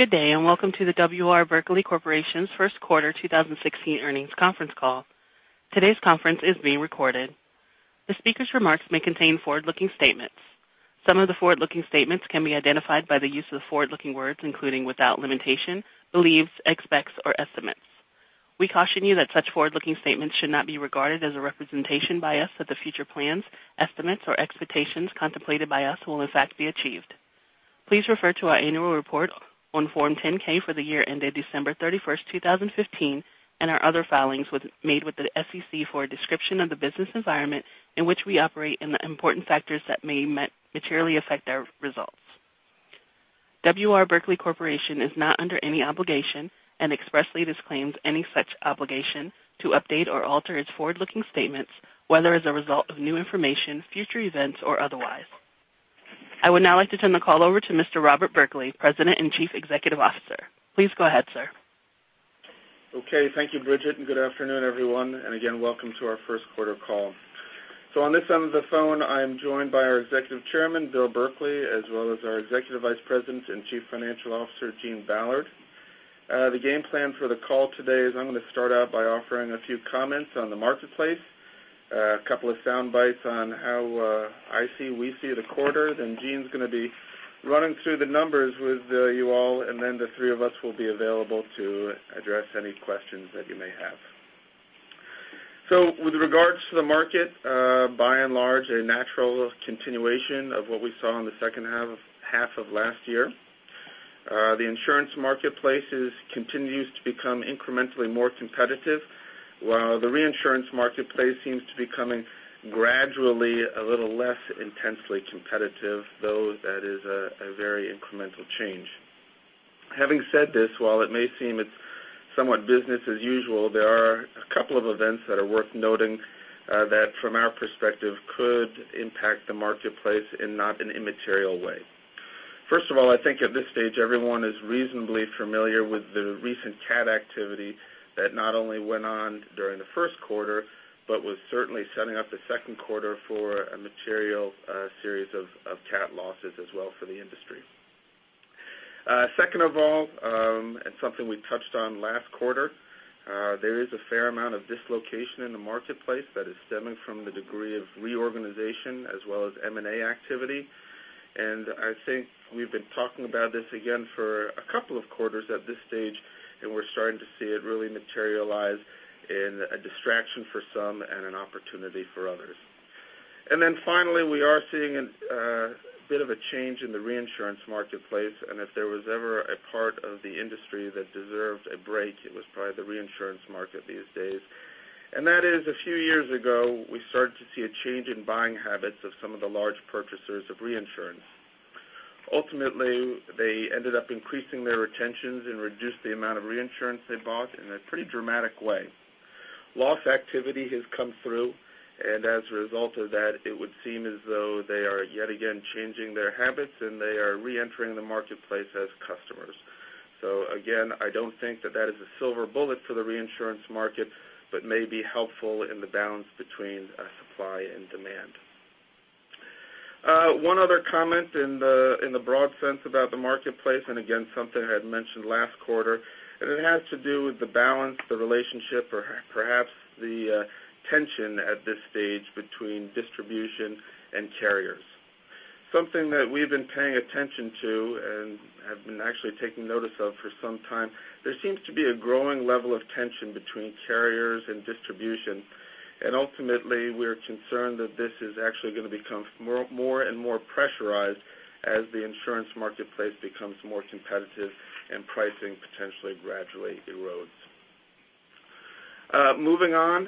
Good day. Welcome to the W. R. Berkley Corporation's first quarter 2016 earnings conference call. Today's conference is being recorded. The speaker's remarks may contain forward-looking statements. Some of the forward-looking statements can be identified by the use of the forward-looking words, including, without limitation, believes, expects, or estimates. We caution you that such forward-looking statements should not be regarded as a representation by us that the future plans, estimates, or expectations contemplated by us will in fact be achieved. Please refer to our annual report on Form 10-K for the year ended December 31st, 2015, and our other filings made with the SEC for a description of the business environment in which we operate and the important factors that may materially affect our results. W. R. Berkley Corporation is not under any obligation and expressly disclaims any such obligation to update or alter its forward-looking statements, whether as a result of new information, future events, or otherwise. I would now like to turn the call over to Mr. Robert Berkley, President and Chief Executive Officer. Please go ahead, sir. Okay. Thank you, Bridget. Good afternoon, everyone. Again, welcome to our first quarter call. On this end of the phone, I am joined by our Executive Chairman, Bill Berkley, as well as our Executive Vice President and Chief Financial Officer, Gene Ballard. The game plan for the call today is I'm going to start out by offering a few comments on the marketplace, a couple of soundbites on how I see, we see the quarter. Gene's going to be running through the numbers with you all, and the three of us will be available to address any questions that you may have. With regards to the market, by and large, a natural continuation of what we saw in the second half of last year. The insurance marketplace continues to become incrementally more competitive, while the reinsurance marketplace seems to be becoming gradually a little less intensely competitive, though that is a very incremental change. Having said this, while it may seem it's somewhat business as usual, there are a couple of events that are worth noting that from our perspective, could impact the marketplace in not an immaterial way. First of all, I think at this stage, everyone is reasonably familiar with the recent cat activity that not only went on during the first quarter but was certainly setting up the second quarter for a material series of cat losses as well for the industry. Second of all, something we touched on last quarter, there is a fair amount of dislocation in the marketplace that is stemming from the degree of reorganization as well as M&A activity. I think we've been talking about this again for a couple of quarters at this stage, and we're starting to see it really materialize in a distraction for some and an opportunity for others. Finally, we are seeing a bit of a change in the reinsurance marketplace, and if there was ever a part of the industry that deserved a break, it was probably the reinsurance market these days. That is, a few years ago, we started to see a change in buying habits of some of the large purchasers of reinsurance. Ultimately, they ended up increasing their retentions and reduced the amount of reinsurance they bought in a pretty dramatic way. Loss activity has come through, and as a result of that, it would seem as though they are yet again changing their habits, and they are reentering the marketplace as customers. Again, I don't think that that is a silver bullet for the reinsurance market, but may be helpful in the balance between supply and demand. One other comment in the broad sense about the marketplace, and again, something I had mentioned last quarter, and it has to do with the balance, the relationship, or perhaps the tension at this stage between distribution and carriers. Something that we've been paying attention to and have been actually taking notice of for some time, there seems to be a growing level of tension between carriers and distribution. Ultimately, we're concerned that this is actually going to become more and more pressurized as the insurance marketplace becomes more competitive and pricing potentially gradually erodes. Moving on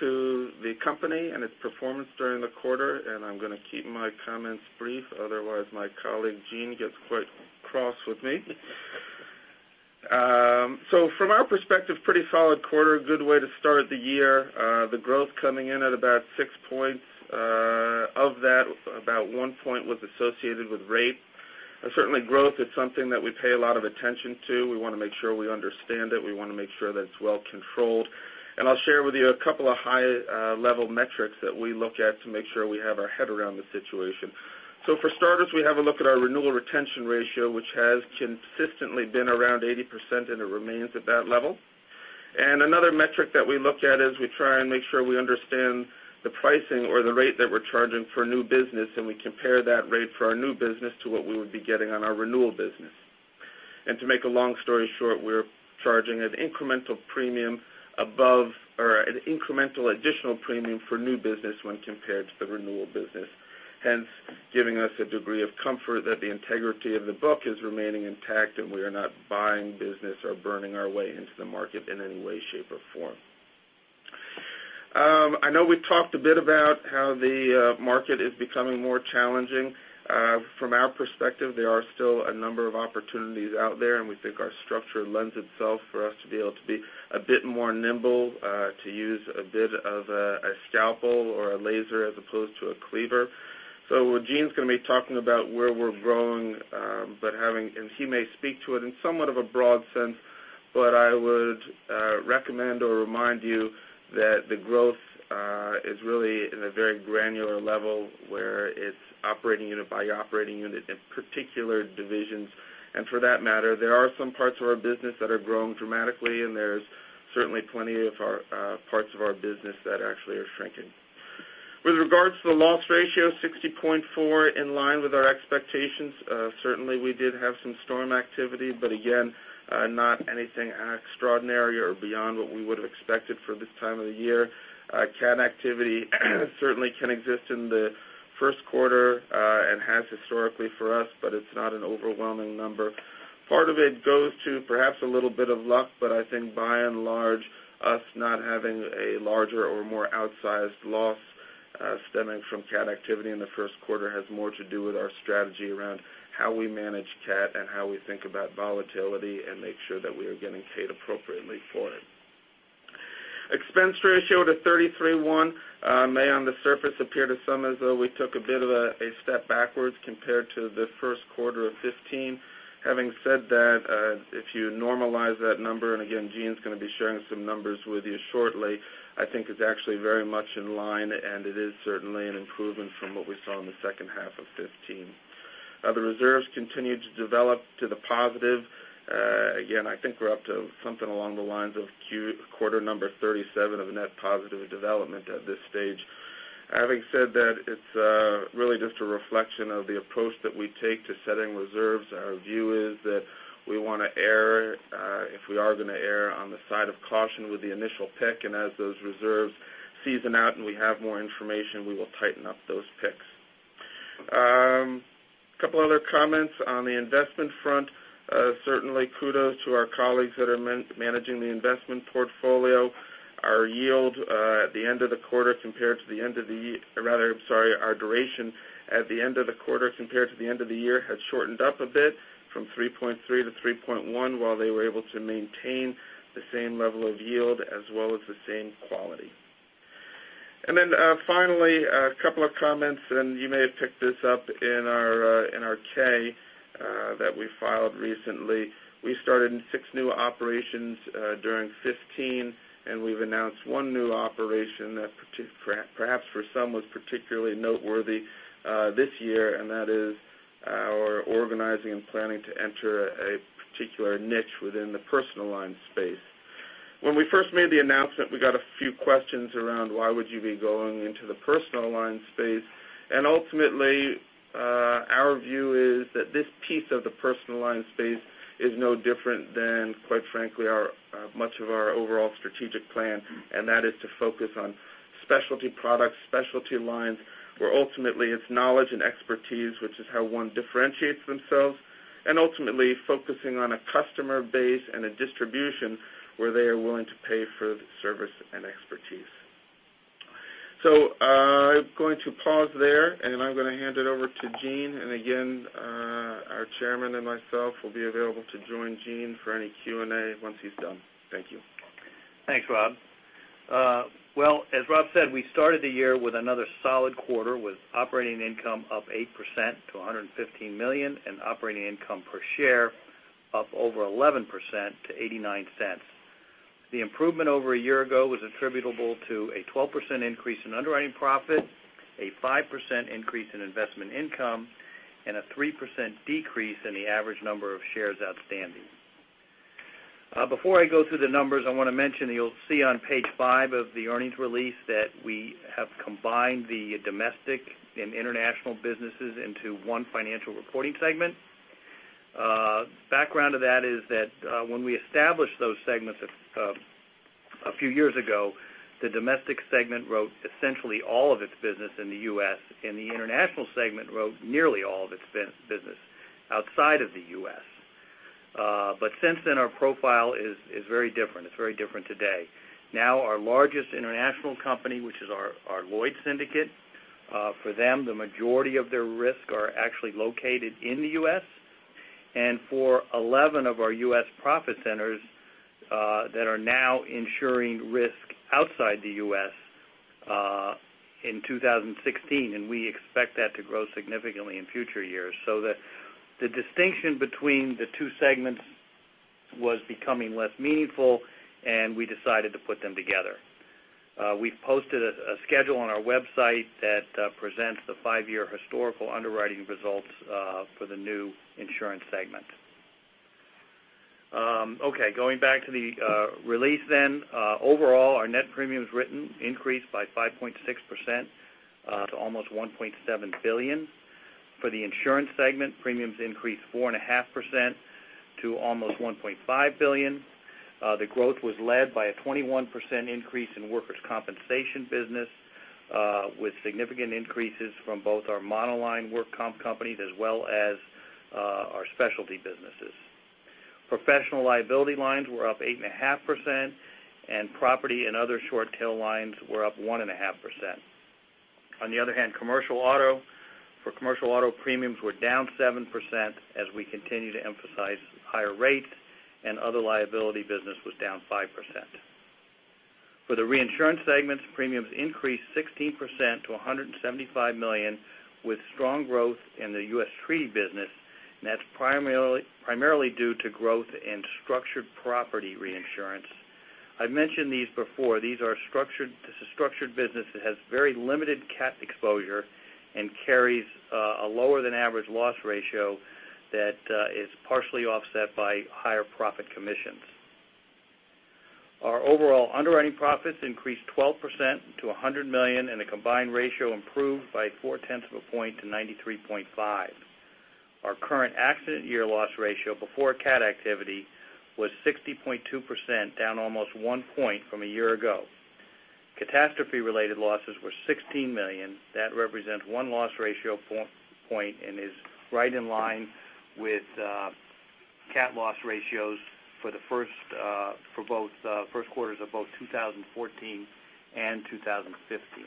to the company and its performance during the quarter, and I'm going to keep my comments brief. Otherwise, my colleague Gene gets quite cross with me. From our perspective, pretty solid quarter, good way to start the year. The growth coming in at about 6 points. Of that, about 1 point was associated with rate. Certainly, growth is something that we pay a lot of attention to. We want to make sure we understand it. We want to make sure that it's well controlled. I'll share with you a couple of high-level metrics that we look at to make sure we have our head around the situation. For starters, we have a look at our renewal retention ratio, which has consistently been around 80%, and it remains at that level. Another metric that we look at is we try and make sure we understand the pricing or the rate that we're charging for new business, and we compare that rate for our new business to what we would be getting on our renewal business. To make a long story short, we're charging an incremental premium above or an incremental additional premium for new business when compared to the renewal business, hence giving us a degree of comfort that the integrity of the book is remaining intact and we are not buying business or burning our way into the market in any way, shape, or form. I know we talked a bit about how the market is becoming more challenging. From our perspective, there are still a number of opportunities out there, and we think our structure lends itself for us to be able to be a bit more nimble, to use a bit of a scalpel or a laser as opposed to a cleaver. Gene's going to be talking about where we're growing, and he may speak to it in somewhat of a broad sense. I would recommend or remind you that the growth is really in a very granular level where it's operating unit by operating unit in particular divisions. For that matter, there are some parts of our business that are growing dramatically, and there's certainly plenty of parts of our business that actually are shrinking. With regards to the loss ratio, 60.4%, in line with our expectations. Certainly, we did have some storm activity, but again, not anything extraordinary or beyond what we would have expected for this time of the year. Cat activity certainly can exist in the first quarter and has historically for us, but it's not an overwhelming number. Part of it goes to perhaps a little bit of luck, but I think by and large, us not having a larger or more outsized loss stemming from cat activity in the first quarter has more to do with our strategy around how we manage cat and how we think about volatility and make sure that we are getting paid appropriately for it. Expense ratio to 33.1% may on the surface appear to some as though we took a bit of a step backwards compared to the first quarter of 2015. Having said that, if you normalize that number, Gene's going to be sharing some numbers with you shortly, I think is actually very much in line, and it is certainly an improvement from what we saw in the second half of 2015. The reserves continued to develop to the positive. Again, I think we're up to something along the lines of quarter number 37 of net positive development at this stage. Having said that, it's really just a reflection of the approach that we take to setting reserves. Our view is that we want to err, if we are going to err on the side of caution with the initial pick, and as those reserves season out and we have more information, we will tighten up those picks. Couple other comments on the investment front. Certainly kudos to our colleagues that are managing the investment portfolio. Our yield at the end of the quarter compared to the end of the, our duration at the end of the quarter compared to the end of the year had shortened up a bit from 3.3-3.1, while they were able to maintain the same level of yield as well as the same quality. Finally, a couple of comments, and you may have picked this up in our K that we filed recently. We started six new operations during 2015, and we've announced one new operation that perhaps for some was particularly noteworthy this year, and that is our organizing and planning to enter a particular niche within the personal line space. When we first made the announcement, we got a few questions around why would you be going into the personal line space? Ultimately, our view is that this piece of the personal line space is no different than, quite frankly, much of our overall strategic plan, and that is to focus on specialty products, specialty lines, where ultimately it's knowledge and expertise, which is how one differentiates themselves, and ultimately focusing on a customer base and a distribution where they are willing to pay for the service and expertise. I'm going to pause there and I'm going to hand it over to Gene. Again, our Chairman and myself will be available to join Gene for any Q&A once he's done. Thank you. Thanks, Rob. Well, as Rob said, we started the year with another solid quarter with operating income up 8% to $115 million and operating income per share up over 11% to $0.89. The improvement over a year ago was attributable to a 12% increase in underwriting profit, a 5% increase in investment income, and a 3% decrease in the average number of shares outstanding. Before I go through the numbers, I want to mention you'll see on page five of the earnings release that we have combined the domestic and international businesses into one financial reporting segment. Background of that is that when we established those segments a few years ago, the domestic segment wrote essentially all of its business in the U.S., and the international segment wrote nearly all of its business outside of the U.S. Since then, our profile is very different. It's very different today. Now our largest international company, which is our Lloyd's Syndicate, for them, the majority of their risk are actually located in the U.S. and for 11 of our U.S. profit centers that are now insuring risk outside the U.S. in 2016, and we expect that to grow significantly in future years. The distinction between the two segments was becoming less meaningful, and we decided to put them together. We've posted a schedule on our website that presents the five-year historical underwriting results for the new insurance segment. Going back to the release. Overall, our net premiums written increased by 5.6% to almost $1.7 billion. For the insurance segment, premiums increased 4.5% to almost $1.5 billion. The growth was led by a 21% increase in workers' compensation business, with significant increases from both our monoline work comp companies as well as our specialty businesses. Professional liability lines were up 8.5%, and property and other short tail lines were up 1.5%. On the other hand, commercial auto premiums were down 7% as we continue to emphasize higher rates and other liability business was down 5%. For the reinsurance segments, premiums increased 16% to $175 million, with strong growth in the U.S. treaty business. That's primarily due to growth in structured property reinsurance. I've mentioned these before. This is a structured business that has very limited cat exposure and carries a lower than average loss ratio that is partially offset by higher profit commissions. Our overall underwriting profits increased 12% to $100 million, and the combined ratio improved by four-tenths of a point to 93.5%. Our current accident year loss ratio before cat activity was 60.2%, down almost one point from a year ago. Catastrophe-related losses were $16 million. That represents one loss ratio point and is right in line with cat loss ratios for both first quarters of both 2014 and 2015.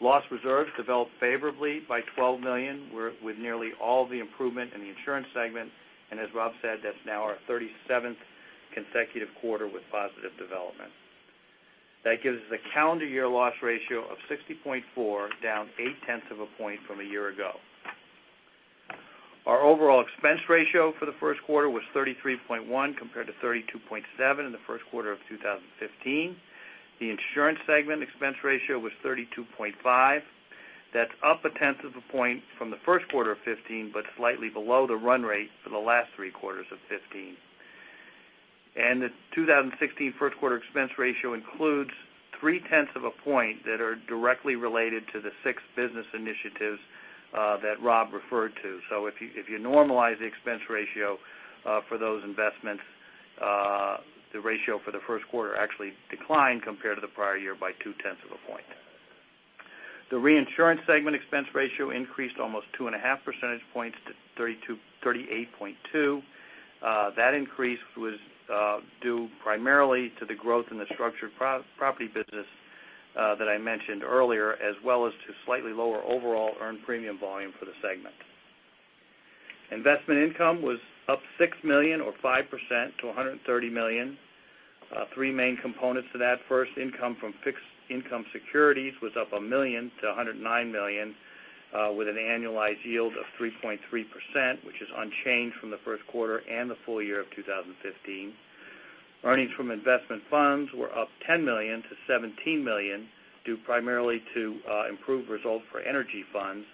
Loss reserves developed favorably by $12 million, with nearly all the improvement in the insurance segment, and as Rob said, that's now our 37th consecutive quarter with positive development. That gives us a calendar year loss ratio of 60.4%, down eight-tenths of a point from a year ago. Our overall expense ratio for the first quarter was 33.1%, compared to 32.7% in the first quarter of 2015. The insurance segment expense ratio was 32.5%. That's up a tenth of a point from the first quarter of 2015, but slightly below the run rate for the last three quarters of 2015. The 2016 first quarter expense ratio includes three-tenths of a point that are directly related to the six business initiatives that Rob referred to. If you normalize the expense ratio for those investments, the ratio for the first quarter actually declined compared to the prior year by two-tenths of a point. The reinsurance segment expense ratio increased almost 2.5 percentage points to 38.2%. That increase was due primarily to the growth in the structured property business that I mentioned earlier, as well as to slightly lower overall earned premium volume for the segment. Investment income was up $6 million or 5% to $130 million. Three main components to that. First, income from fixed income securities was up $1 million to $109 million, with an annualized yield of 3.3%, which is unchanged from the first quarter and the full year of 2015. Earnings from investment funds were up $10 million to $17 million, due primarily to improved results for energy funds.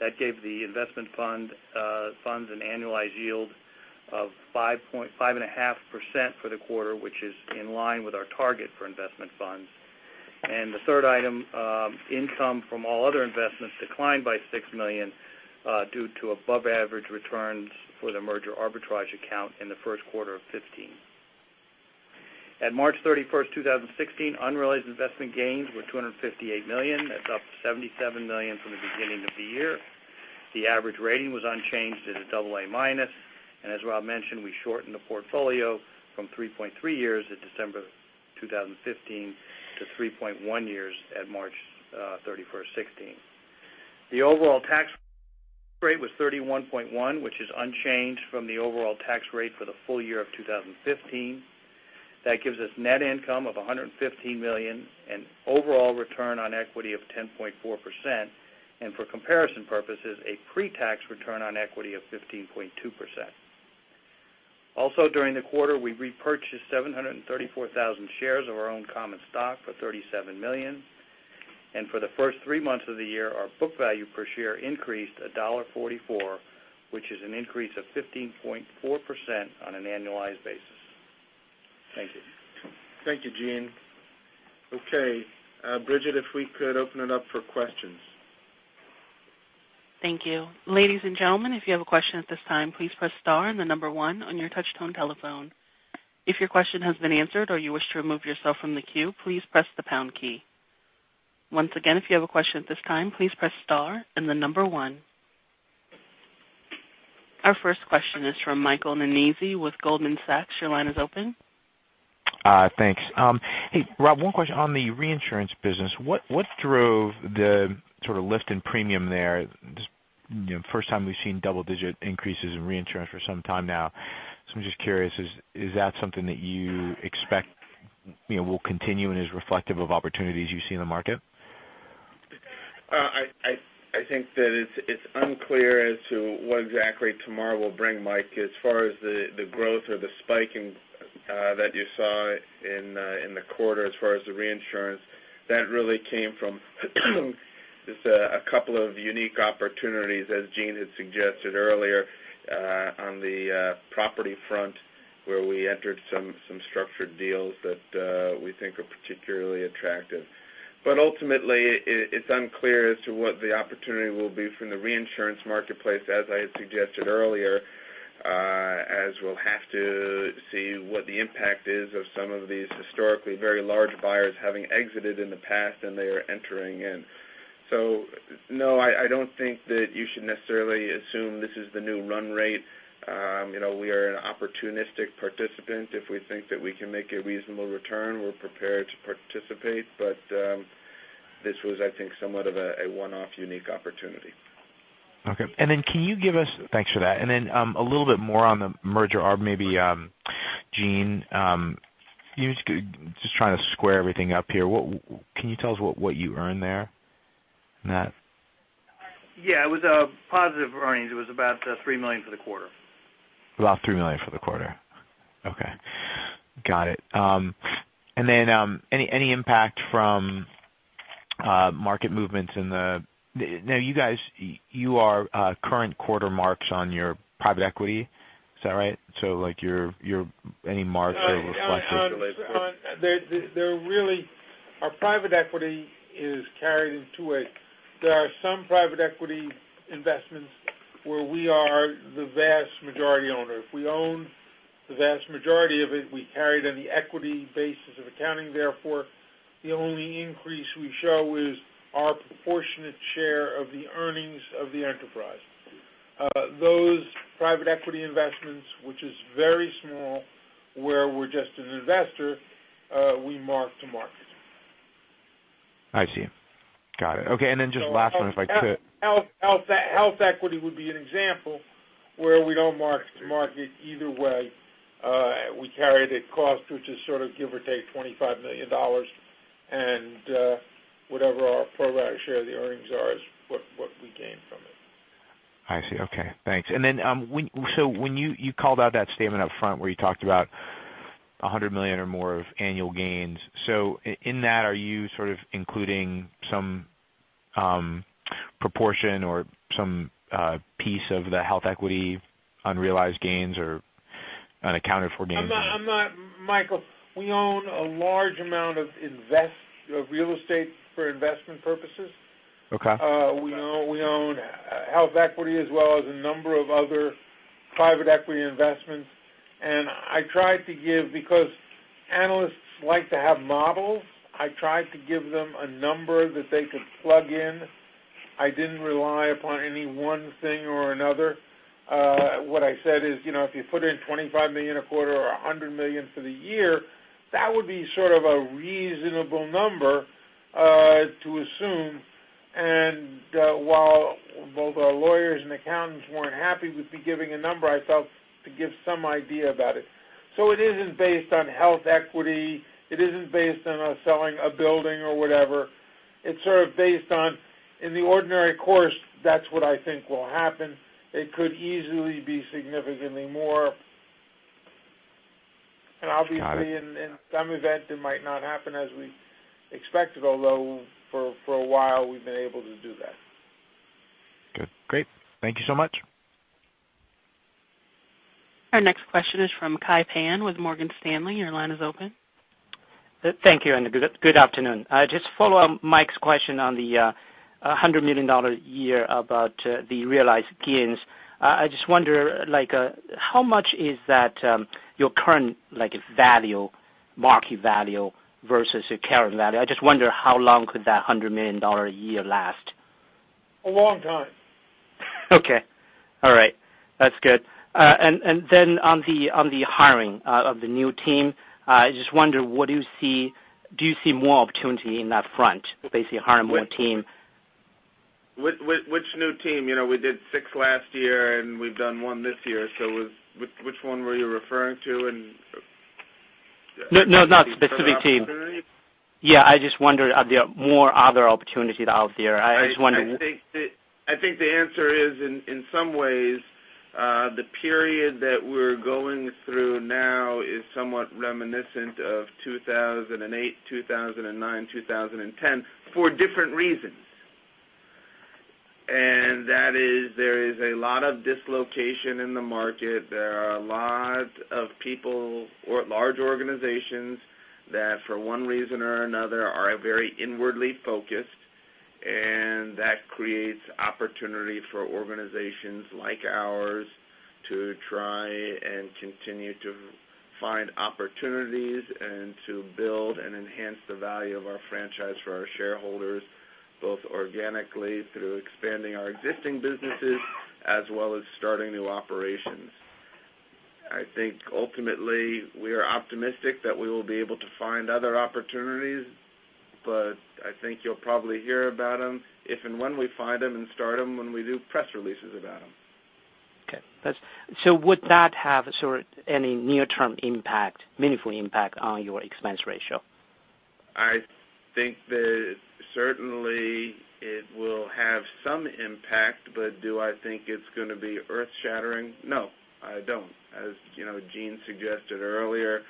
That gave the investment funds an annualized yield of 5.5% for the quarter, which is in line with our target for investment funds. The third item, income from all other investments declined by $6 million due to above average returns for the merger arbitrage account in the first quarter of 2015. At March 31st, 2016, unrealized investment gains were $258 million. That's up $77 million from the beginning of the year. The average rating was unchanged at a AA-, and as Rob mentioned, we shortened the portfolio from 3.3 years at December 2015 to 3.1 years at March 31st, 2016. The overall tax rate was 31.1%, which is unchanged from the overall tax rate for the full year of 2015. That gives us net income of $115 million and overall return on equity of 10.4%, and for comparison purposes, a pre-tax return on equity of 15.2%. Also, during the quarter, we repurchased 734,000 shares of our own common stock for $37 million. For the first three months of the year, our book value per share increased $1.44, which is an increase of 15.4% on an annualized basis. Thank you. Thank you, Gene. Okay. Bridget, if we could open it up for questions. Thank you. Ladies and gentlemen, if you have a question at this time, please press star and the number one on your touch-tone telephone. If your question has been answered or you wish to remove yourself from the queue, please press the pound key. Once again, if you have a question at this time, please press star and the number one. Our first question is from Mike Zaremski with Goldman Sachs. Your line is open. Thanks. Hey, Rob, one question on the reinsurance business. What drove the sort of lift in premium there? First time we've seen double-digit increases in reinsurance for some time now. I'm just curious, is that something that you expect will continue and is reflective of opportunities you see in the market? I think that it's unclear as to what exactly tomorrow will bring, Mike. As far as the growth or the spike that you saw in the quarter as far as the reinsurance, that really came from just a couple of unique opportunities, as Gene had suggested earlier, on the property front, where we entered some structured deals that we think are particularly attractive. Ultimately, it's unclear as to what the opportunity will be from the reinsurance marketplace, as I had suggested earlier, as we'll have to see what the impact is of some of these historically very large buyers having exited in the past, they are entering in. No, I don't think that you should necessarily assume this is the new run rate. We are an opportunistic participant. If we think that we can make a reasonable return, we're prepared to participate. This was, I think, somewhat of a one-off unique opportunity. Okay. Thanks for that. Then a little bit more on the merger arb, maybe, Gene, just trying to square everything up here. Can you tell us what you earn there in that? Yeah. It was a positive earnings. It was about $3 million for the quarter. About $3 million for the quarter. Okay. Got it. Then, any impact from market movements, you guys, you are current quarter marks on your private equity. Is that right? Any mark that reflects. There really, our private equity is carried into it. There are some private equity investments where we are the vast majority owner. If we own the vast majority of it, we carry it on the equity basis of accounting, therefore, the only increase we show is our proportionate share of the earnings of the enterprise. Those private equity investments, which is very small, where we're just an investor, we mark to market. I see. Got it. Okay. Just last one, if I could. HealthEquity would be an example where we don't mark to market either way. We carry it at cost, which is sort of give or take $25 million and, whatever our pro rata share of the earnings are is what we gain from it. I see. Okay. Thanks. When you called out that statement up front where you talked about $100 million or more of annual gains. In that, are you sort of including some proportion or some piece of the HealthEquity unrealized gains or unaccounted for gains? Michael, we own a large amount of real estate for investment purposes. Okay. We own HealthEquity as well as a number of other private equity investments. I tried to give, because analysts like to have models, I tried to give them a number that they could plug in. I didn't rely upon any one thing or another. What I said is, if you put in $25 million a quarter or $100 million for the year, that would be sort of a reasonable number to assume. While the lawyers and accountants weren't happy with me giving a number, I felt to give some idea about it. It isn't based on HealthEquity. It isn't based on us selling a building or whatever. It's sort of based on, in the ordinary course, that's what I think will happen. It could easily be significantly more. Got it. Obviously, in some event, it might not happen as we expected, although for a while, we've been able to do that. Good. Great. Thank you so much. Our next question is from Kai Pan with Morgan Stanley. Your line is open. Thank you. Good afternoon. Just follow on Mike's question on the $100 million a year about the realized gains. I just wonder how much is that your current value, market value versus your current value. I just wonder how long could that $100 million a year last? A long time. Okay. All right. That's good. On the hiring of the new team, I just wonder, do you see more opportunity in that front, basically hiring more team? Which new team? We did six last year, and we've done one this year. Which one were you referring to? No, not specific team for that opportunity? Yeah, I just wonder, are there more other opportunities out there? I was wondering. I think the answer is in some ways, the period that we're going through now is somewhat reminiscent of 2008, 2009, 2010 for different reasons. That is, there is a lot of dislocation in the market. There are a lot of people or large organizations that for one reason or another, are very inwardly focused, that creates opportunity for organizations like ours to try and continue to find opportunities and to build and enhance the value of our franchise for our shareholders, both organically through expanding our existing businesses as well as starting new operations. I think ultimately, we are optimistic that we will be able to find other opportunities, I think you'll probably hear about them if and when we find them and start them when we do press releases about them. Okay. Would that have any near-term impact, meaningful impact on your expense ratio? I think that certainly it will have some impact, do I think it's going to be earth-shattering? No, I don't. As Gene suggested earlier,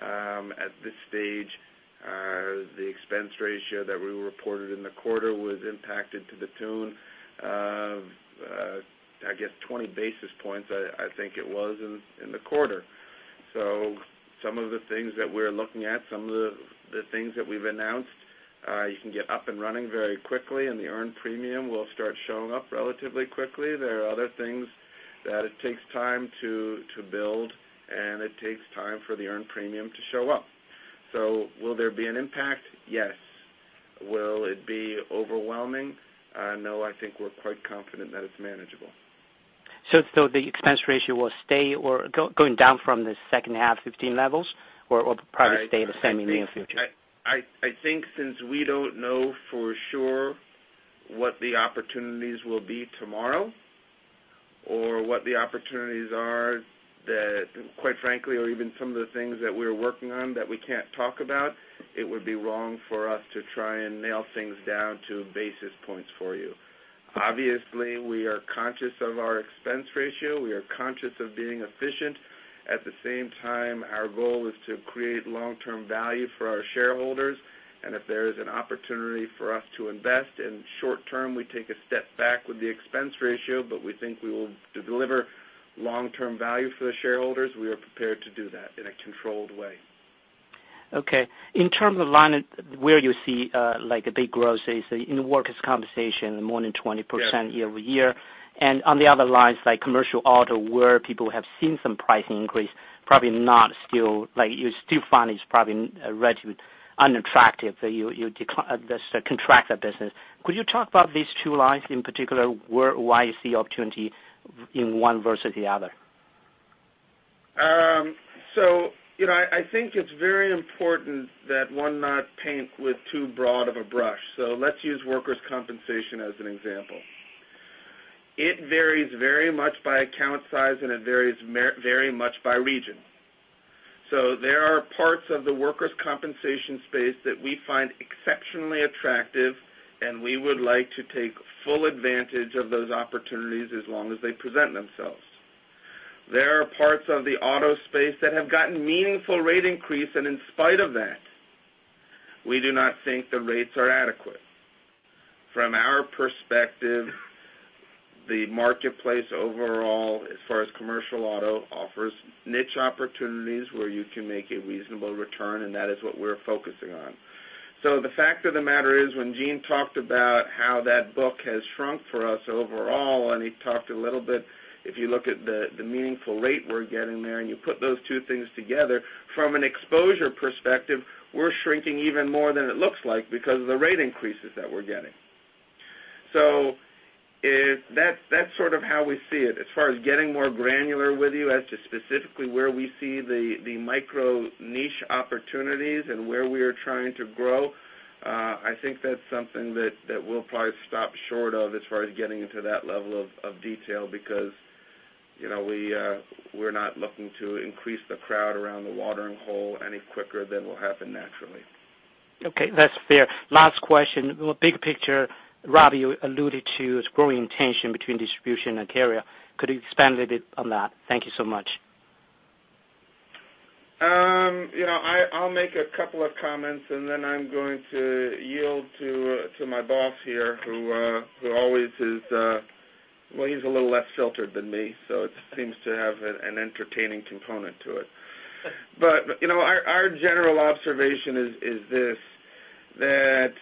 at this stage, the expense ratio that we reported in the quarter was impacted to the tune of, I guess 20 basis points, I think it was in the quarter. Some of the things that we're looking at, some of the things that we've announced, you can get up and running very quickly, and the earned premium will start showing up relatively quickly. There are other things that it takes time to build, and it takes time for the earned premium to show up. Will there be an impact? Yes. Will it be overwhelming? No, I think we're quite confident that it's manageable The expense ratio will stay or going down from the second half 2015 levels or probably stay the same in near future? I think since we don't know for sure what the opportunities will be tomorrow or what the opportunities are that, quite frankly, or even some of the things that we're working on that we can't talk about, it would be wrong for us to try and nail things down to basis points for you. Obviously, we are conscious of our expense ratio. We are conscious of being efficient. At the same time, our goal is to create long-term value for our shareholders. If there is an opportunity for us to invest in short term, we take a step back with the expense ratio, but we think we will deliver long-term value for the shareholders, we are prepared to do that in a controlled way. Okay. In terms of line, where you see, like a big growth, say, in workers' compensation, more than 20%- Yeah year-over-year. On the other lines, like commercial auto, where people have seen some price increase, probably You still find it's probably relatively unattractive. You decline this contracted business. Could you talk about these two lines in particular, why you see opportunity in one versus the other? I think it's very important that one not paint with too broad of a brush. Let's use workers' compensation as an example. It varies very much by account size, and it varies very much by region. There are parts of the workers' compensation space that we find exceptionally attractive, and we would like to take full advantage of those opportunities as long as they present themselves. There are parts of the auto space that have gotten meaningful rate increase, and in spite of that, we do not think the rates are adequate. From our perspective, the marketplace overall, as far as commercial auto, offers niche opportunities where you can make a reasonable return, and that is what we're focusing on. The fact of the matter is, when Gene talked about how that book has shrunk for us overall, he talked a little bit, if you look at the meaningful rate we're getting there, and you put those two things together, from an exposure perspective, we're shrinking even more than it looks like because of the rate increases that we're getting. That's sort of how we see it. As far as getting more granular with you as to specifically where we see the micro niche opportunities and where we are trying to grow, I think that's something that we'll probably stop short of as far as getting into that level of detail because we're not looking to increase the crowd around the watering hole any quicker than will happen naturally. Okay. That's fair. Last question. Big picture, Rob, you alluded to is growing tension between distribution and carrier. Could you expand a bit on that? Thank you so much. I'll make a couple of comments, then I'm going to yield to my boss here, who always is, well, he's a little less filtered than me, so it seems to have an entertaining component to it. Our general observation is this, that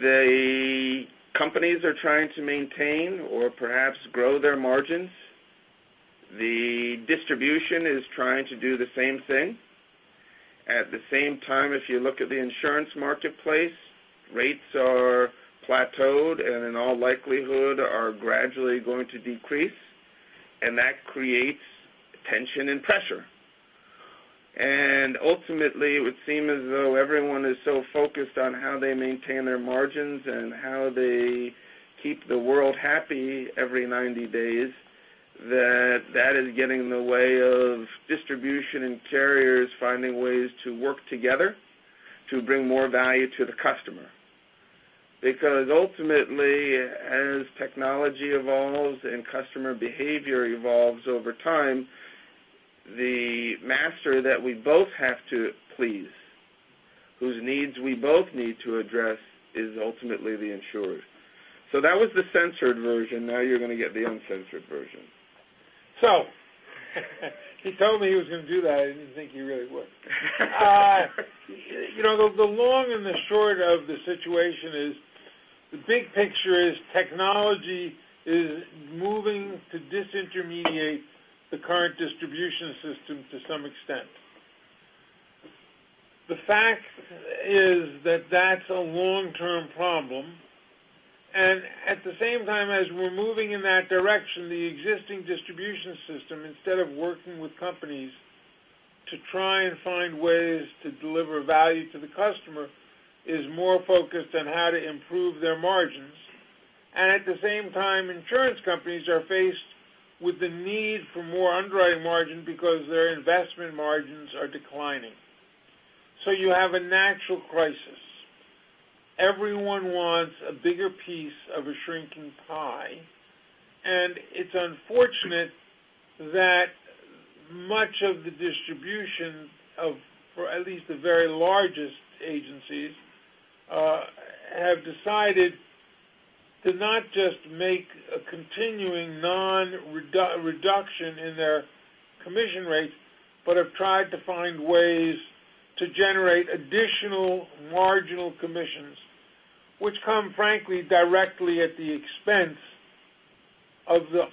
the companies are trying to maintain or perhaps grow their margins. The distribution is trying to do the same thing. At the same time, if you look at the insurance marketplace, rates are plateaued and in all likelihood are gradually going to decrease, and that creates tension and pressure. Ultimately, it would seem as though everyone is so focused on how they maintain their margins and how they keep the world happy every 90 days, that that is getting in the way of distribution and carriers finding ways to work together to bring more value to the customer. Ultimately, as technology evolves and customer behavior evolves over time, the master that we both have to please, whose needs we both need to address, is ultimately the insurer. That was the censored version. Now you're going to get the uncensored version. He told me he was going to do that, I didn't think he really would. The long and the short of the situation is, the big picture is technology is moving to disintermediate the current distribution system to some extent. The fact is that that's a long-term problem. At the same time as we're moving in that direction, the existing distribution system, instead of working with companies to try and find ways to deliver value to the customer, is more focused on how to improve their margins. At the same time, insurance companies are faced with the need for more underwriting margin because their investment margins are declining. You have a natural crisis. Everyone wants a bigger piece of a shrinking pie, it's unfortunate that much of the distribution of, or at least the very largest agencies, have decided to not just make a continuing non-reduction in their commission rates, but have tried to find ways to generate additional marginal commissions, which come, frankly, directly at the expense of the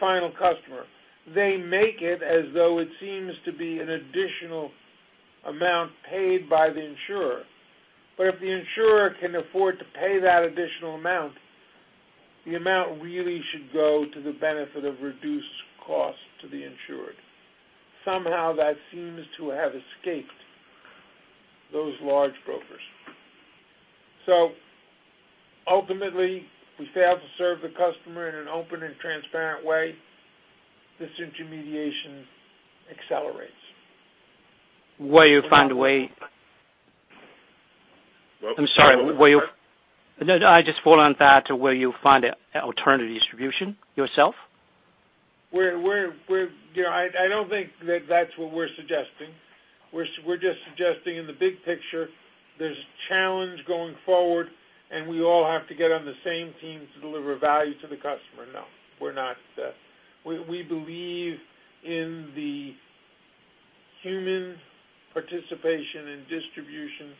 final customer. They make it as though it seems to be an additional amount paid by the insurer. If the insurer can afford to pay that additional amount, the amount really should go to the benefit of reduced cost to the insured. Somehow that seems to have escaped those large brokers. Ultimately, we fail to serve the customer in an open and transparent way, this intermediation accelerates. Will you find a way? What? I'm sorry. No, I just follow on that, will you find an alternative distribution yourself? I don't think that that's what we're suggesting. We're just suggesting in the big picture, there's challenge going forward, we all have to get on the same team to deliver value to the customer. No, we believe in the human participation in distribution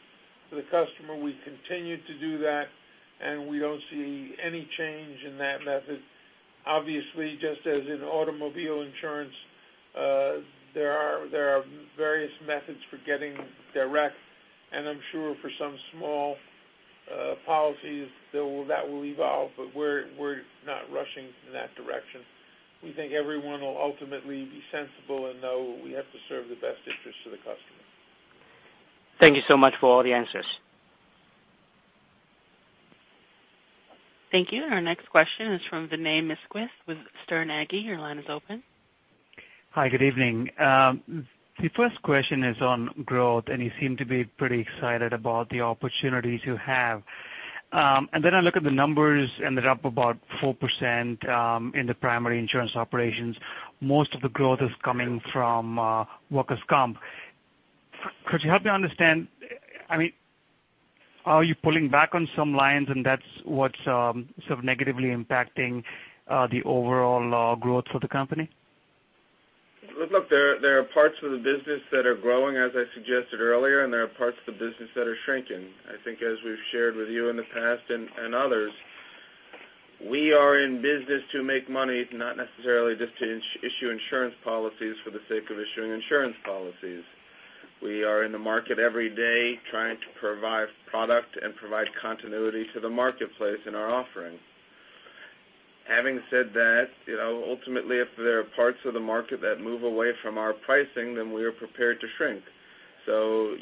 to the customer. We continue to do that, we don't see any change in that method. Obviously, just as in automobile insurance, there are various methods for getting direct, I'm sure for some small policies, that will evolve, but we're not rushing in that direction. We think everyone will ultimately be sensible and know we have to serve the best interest to the customer. Thank you so much for all the answers. Thank you. Our next question is from Vinay Misquith with Sterne Agee. Your line is open. Hi, good evening. The first question is on growth. You seem to be pretty excited about the opportunity to have. I look at the numbers, ended up about 4% in the primary insurance operations. Most of the growth is coming from workers' comp. Could you help me understand, are you pulling back on some lines and that's what's sort of negatively impacting the overall growth of the company? Look, there are parts of the business that are growing, as I suggested earlier. There are parts of the business that are shrinking. I think as we've shared with you in the past and others, we are in business to make money, not necessarily just to issue insurance policies for the sake of issuing insurance policies. We are in the market every day trying to provide product and provide continuity to the marketplace in our offering. Having said that, ultimately, if there are parts of the market that move away from our pricing, we are prepared to shrink.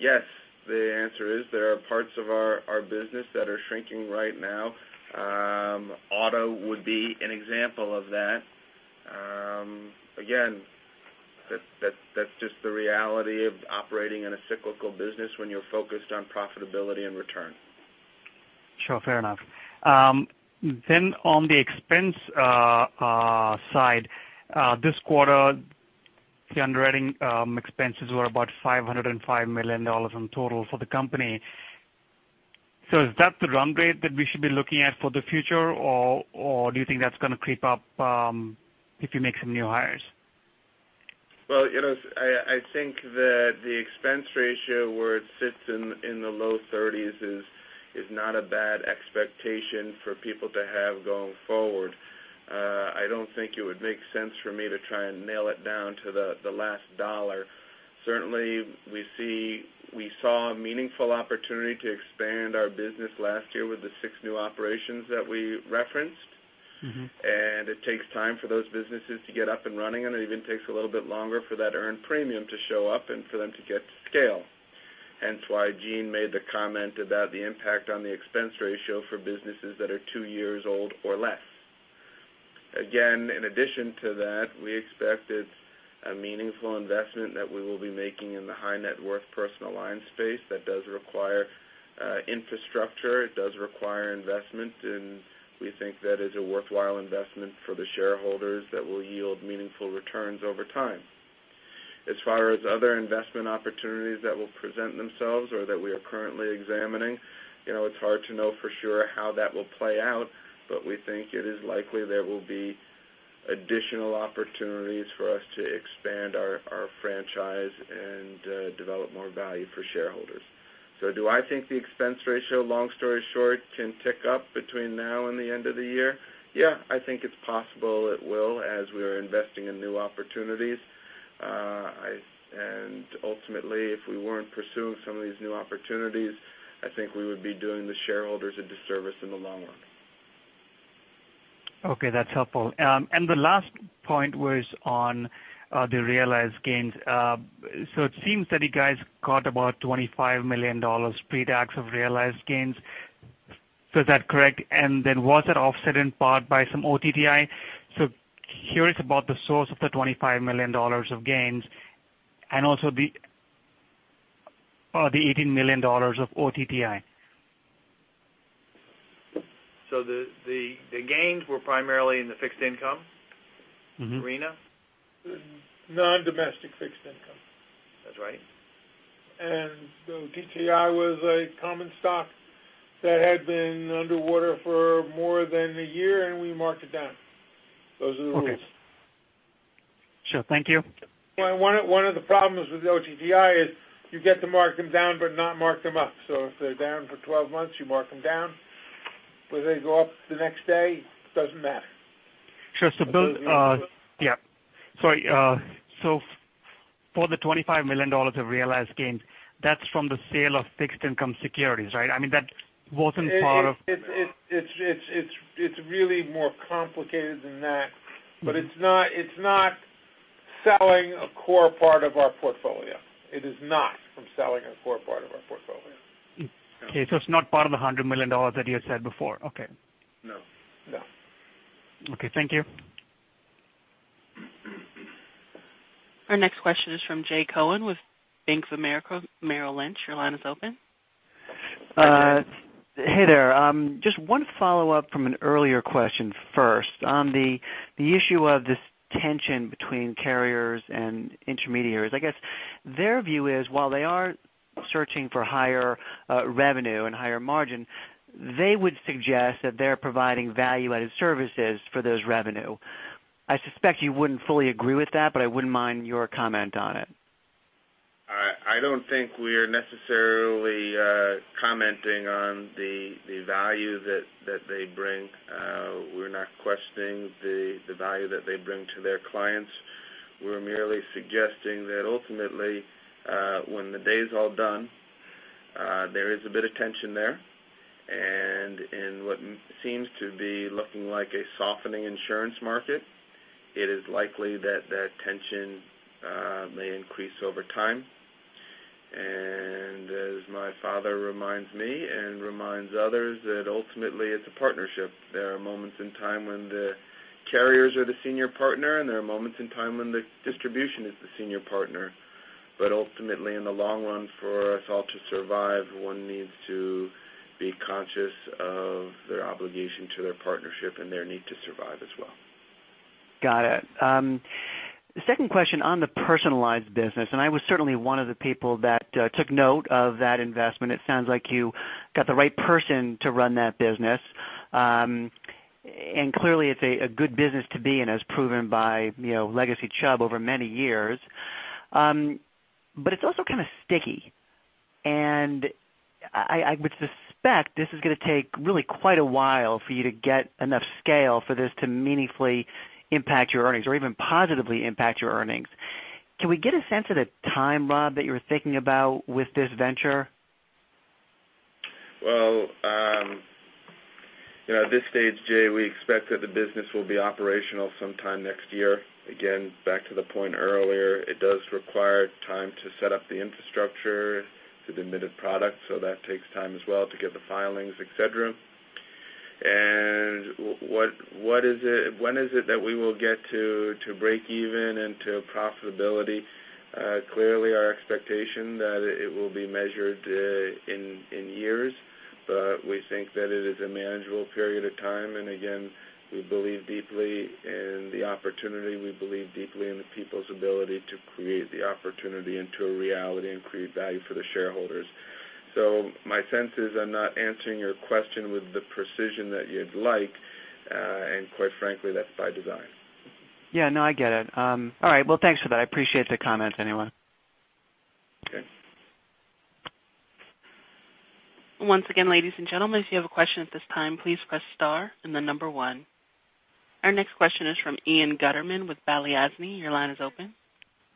Yes, the answer is there are parts of our business that are shrinking right now. Auto would be an example of that. Again, that's just the reality of operating in a cyclical business when you're focused on profitability and return. Sure. Fair enough. On the expense side, this quarter, the underwriting expenses were about $505 million in total for the company. Is that the run rate that we should be looking at for the future, or do you think that's going to creep up if you make some new hires? I think that the expense ratio, where it sits in the low 30s, is not a bad expectation for people to have going forward. I don't think it would make sense for me to try and nail it down to the last dollar. Certainly, we saw a meaningful opportunity to expand our business last year with the six new operations that we referenced. It takes time for those businesses to get up and running, and it even takes a little bit longer for that earned premium to show up and for them to get to scale. Hence why Gene made the comment about the impact on the expense ratio for businesses that are two years old or less. In addition to that, we expect it's a meaningful investment that we will be making in the high net worth personal line space that does require infrastructure, it does require investment, and we think that is a worthwhile investment for the shareholders that will yield meaningful returns over time. As far as other investment opportunities that will present themselves or that we are currently examining, it's hard to know for sure how that will play out, but we think it is likely there will be additional opportunities for us to expand our franchise and develop more value for shareholders. Do I think the expense ratio, long story short, can tick up between now and the end of the year? Yeah, I think it's possible it will, as we are investing in new opportunities. Ultimately, if we weren't pursuing some of these new opportunities, I think we would be doing the shareholders a disservice in the long run. Okay. That's helpful. The last point was on the realized gains. It seems that you guys got about $25 million pre-tax of realized gains. Is that correct? Was that offset in part by some OTTI? Curious about the source of the $25 million of gains and also the $18 million of OTTI. The gains were primarily in the fixed income arena. Non-domestic fixed income. That's right. The OTTI was a common stock that had been underwater for more than a year, and we marked it down. Those are the rules. Okay. Sure. Thank you. One of the problems with the OTTI is you get to mark them down but not mark them up. If they're down for 12 months, you mark them down, but they go up the next day, doesn't matter. Sure. Does it make sense? Yeah. Sorry. For the $25 million of realized gains, that's from the sale of fixed income securities, right? That wasn't part of- It's really more complicated than that. It's not selling a core part of our portfolio. It is not from selling a core part of our portfolio. Okay. It's not part of the $100 million that you had said before. Okay. No. Okay. Thank you. Our next question is from Jay Cohen with Bank of America Merrill Lynch. Your line is open. Hey there. Just one follow-up from an earlier question first. On the issue of this tension between carriers and intermediaries. I guess their view is while they are searching for higher revenue and higher margin, they would suggest that they're providing value-added services for those revenue. I suspect you wouldn't fully agree with that, but I wouldn't mind your comment on it. I don't think we're necessarily commenting on the value that they bring. We're not questioning the value that they bring to their clients. We're merely suggesting that ultimately, when the day is all done, there is a bit of tension there. In what seems to be looking like a softening insurance market, it is likely that that tension may increase over time. As my father reminds me and reminds others, that ultimately it's a partnership. There are moments in time when the carriers are the senior partner, and there are moments in time when the distribution is the senior partner. Ultimately, in the long run for us all to survive, one needs to be conscious of their obligation to their partnership and their need to survive as well. Got it. The second question on the personalized business, I was certainly one of the people that took note of that investment. It sounds like you got the right person to run that business. Clearly it's a good business to be in, as proven by legacy Chubb over many years. It's also kind of sticky. I would suspect this is going to take really quite a while for you to get enough scale for this to meaningfully impact your earnings or even positively impact your earnings. Can we get a sense of the time, Rob, that you're thinking about with this venture? Well, at this stage, Jay, we expect that the business will be operational sometime next year. Again, back to the point earlier, it does require time to set up the infrastructure to the admitted product, so that takes time as well to get the filings, et cetera. When is it that we will get to break even and to profitability? Clearly our expectation that it will be measured in years, but we think that it is a manageable period of time. Again, we believe deeply in the opportunity. We believe deeply in the people's ability to create the opportunity into a reality and create value for the shareholders. My sense is I'm not answering your question with the precision that you'd like. Quite frankly, that's by design. Yeah. No, I get it. All right. Well, thanks for that. I appreciate the comments, anyway. Okay. Once again, ladies and gentlemen, if you have a question at this time, please press star and the number one. Our next question is from Ian Gutterman with Balyasny. Your line is open.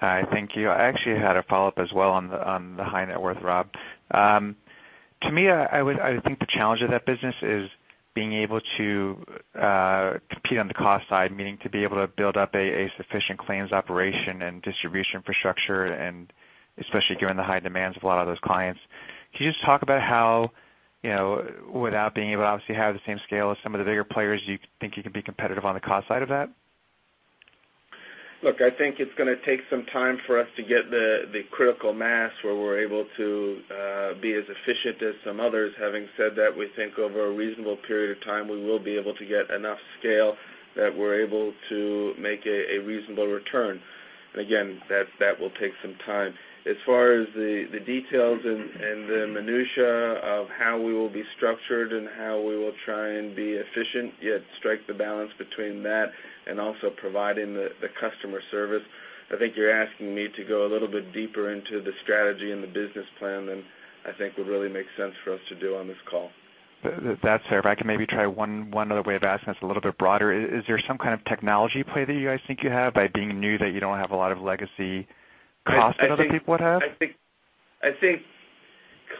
Hi. Thank you. I actually had a follow-up as well on the high net worth, Rob. To me, I think the challenge of that business is being able to compete on the cost side, meaning to be able to build up a sufficient claims operation and distribution infrastructure, and especially given the high demands of a lot of those clients. Can you just talk about how, without being able to obviously have the same scale as some of the bigger players, you think you can be competitive on the cost side of that? Look, I think it's going to take some time for us to get the critical mass where we're able to be as efficient as some others. Having said that, we think over a reasonable period of time, we will be able to get enough scale that we're able to make a reasonable return. Again, that will take some time. As far as the details and the minutia of how we will be structured and how we will try and be efficient, yet strike the balance between that and also providing the customer service, I think you're asking me to go a little bit deeper into the strategy and the business plan than I think would really make sense for us to do on this call. That's fair. If I can maybe try one other way of asking this a little bit broader. Is there some kind of technology play that you guys think you have by being new, that you don't have a lot of legacy costs that other people would have? I think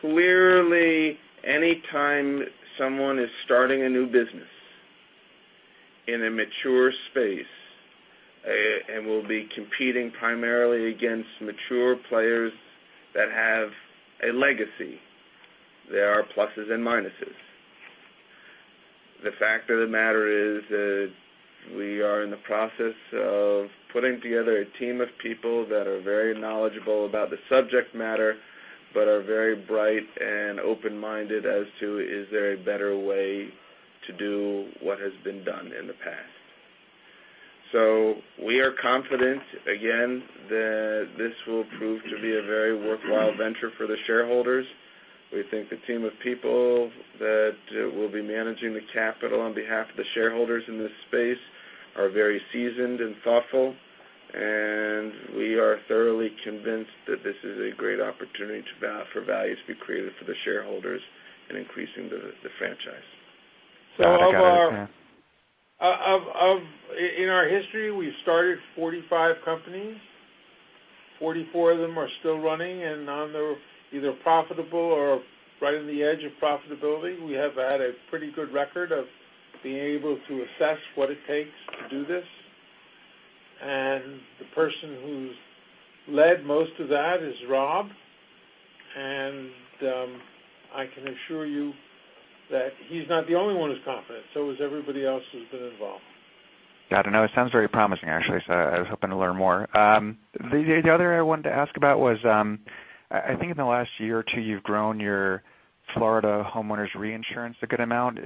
clearly anytime someone is starting a new business in a mature space and will be competing primarily against mature players that have a legacy, there are pluses and minuses. The fact of the matter is that we are in the process of putting together a team of people that are very knowledgeable about the subject matter, but are very bright and open-minded as to, is there a better way to do what has been done in the past. We are confident, again, that this will prove to be a very worthwhile venture for the shareholders. We think the team of people that will be managing the capital on behalf of the shareholders in this space are very seasoned and thoughtful, and we are thoroughly convinced that this is a great opportunity for value to be created for the shareholders in increasing the franchise. In our history, we've started 45 companies. 44 of them are still running, and either profitable or right on the edge of profitability. We have had a pretty good record of being able to assess what it takes to do this. The person who's led most of that is Rob, and I can assure you that he's not the only one who's confident, so is everybody else who's been involved. Got it. It sounds very promising actually, so I was hoping to learn more. The other I wanted to ask about was, I think in the last year or two you've grown your Florida homeowners reinsurance a good amount,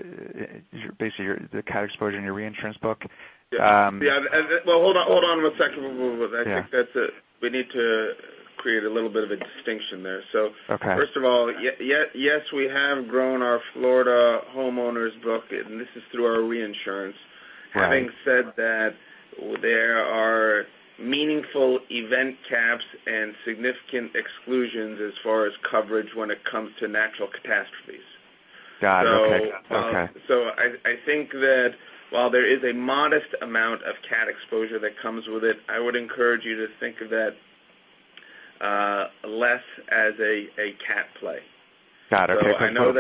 basically the cat exposure in your reinsurance book. Yeah. Well, hold on one second. Yeah. We need to create a little bit of a distinction there. Okay. First of all, yes, we have grown our Florida homeowners book, and this is through our reinsurance. Right. Having said that, there are meaningful event caps and significant exclusions as far as coverage when it comes to natural catastrophes. Got it. Okay. I think that while there is a modest amount of cat exposure that comes with it, I would encourage you to think of that less as a cat play. Got it. Okay. I know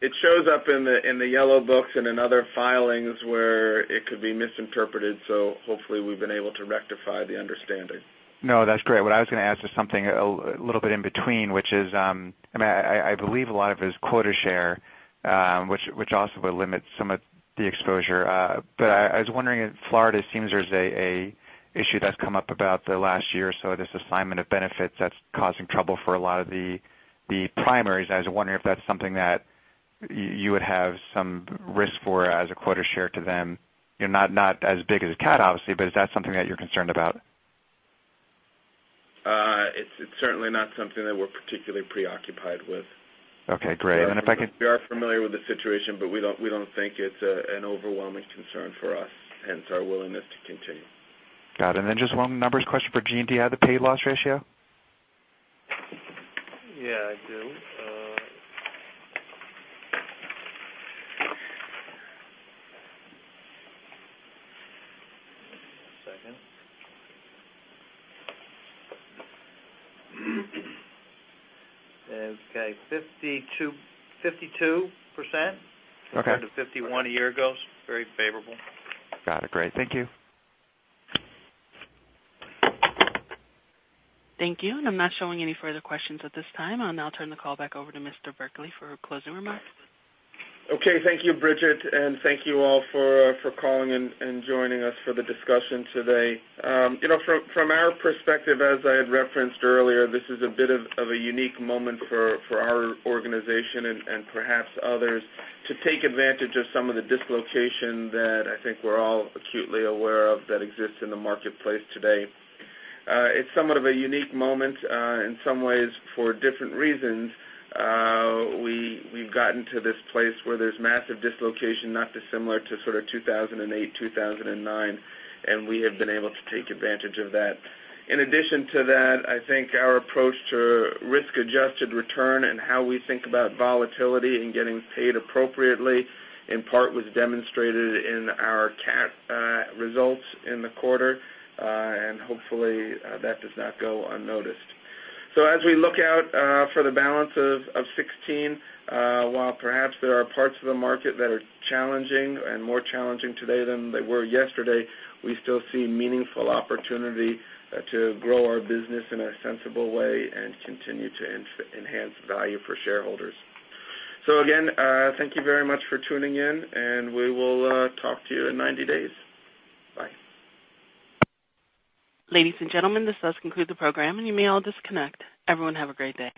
that it shows up in the yellow books and in other filings where it could be misinterpreted, hopefully we've been able to rectify the understanding. No, that's great. What I was going to ask is something a little bit in between, which is, I believe a lot of it is quota share, which also would limit some of the exposure. I was wondering in Florida, it seems there's an issue that's come up about the last year or so, this assignment of benefits that's causing trouble for a lot of the primaries. I was wondering if that's something that you would have some risk for as a quota share to them. Not as big as a cat, obviously, but is that something that you're concerned about? It's certainly not something that we're particularly preoccupied with. Okay, great. If I could- We are familiar with the situation, but we don't think it's an overwhelming concern for us, hence our willingness to continue. Got it. Just one numbers question for Gene. Do you have the paid loss ratio? Yeah, I do. One second. Okay, 52% compared to 51 a year ago. Very favorable. Got it. Great. Thank you. Thank you. I'm not showing any further questions at this time. I'll now turn the call back over to Mr. Berkley for closing remarks. Okay. Thank you, Bridget, and thank you all for calling and joining us for the discussion today. From our perspective, as I had referenced earlier, this is a bit of a unique moment for our organization and perhaps others to take advantage of some of the dislocation that I think we're all acutely aware of that exists in the marketplace today. It's somewhat of a unique moment, in some ways for different reasons. We've gotten to this place where there's massive dislocation, not dissimilar to sort of 2008, 2009, we have been able to take advantage of that. In addition to that, I think our approach to risk-adjusted return and how we think about volatility and getting paid appropriately, in part, was demonstrated in our cat results in the quarter. Hopefully, that does not go unnoticed. As we look out for the balance of 2016, while perhaps there are parts of the market that are challenging and more challenging today than they were yesterday, we still see meaningful opportunity to grow our business in a sensible way and continue to enhance value for shareholders. Again, thank you very much for tuning in, and we will talk to you in 90 days. Bye. Ladies and gentlemen, this does conclude the program, and you may all disconnect. Everyone, have a great day.